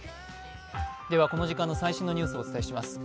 この時間の最新のニュースをお伝えします。